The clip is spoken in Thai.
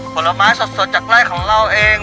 ผลไม้สดจากไร่ของเราเอง